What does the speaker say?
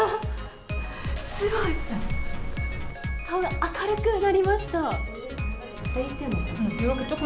すごい、顔が明るくなりました。